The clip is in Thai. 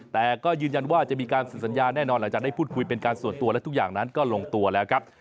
แต่ก็ยืนยันว่าจะมีการสื่อสัญญาแน่นอนหลังจากได้พูดคุยเป็นการส่วนตัวและทุกอย่างนั้นก็ลงตัวแล้วครับ